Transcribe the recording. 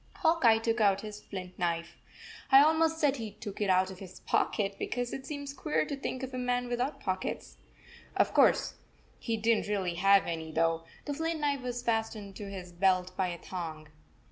Hawk Eye took out his flint knife. I al most said he took it out of his pocket, be cause it seems queer to think of a man without pockets. Of course, he did n t really have any, though. The flint knife was fas tened to his belt by a thong.